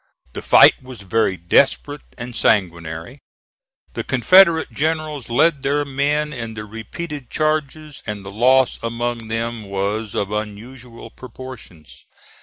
The fight was very desperate and sanguinary. The Confederate generals led their men in the repeated charges, and the loss among them was of unusual proportions.